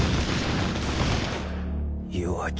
弱き